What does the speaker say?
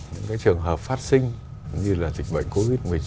những trường hợp phát sinh như là dịch bệnh covid một mươi chín